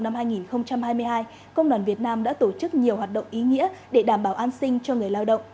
năm hai nghìn hai mươi hai công đoàn việt nam đã tổ chức nhiều hoạt động ý nghĩa để đảm bảo an sinh cho người lao động